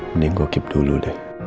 mending gue keep dulu deh